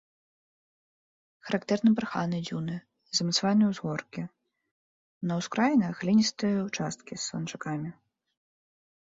Характэрны барханы, дзюны, замацаваныя ўзгоркі, на ўскраінах гліністыя ўчасткі з саланчакамі.